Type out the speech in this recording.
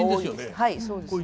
はいそうですね。